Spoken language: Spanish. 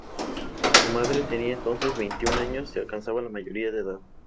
Su madre tenía entonces veintiún años y alcanzaba la mayoría de edad.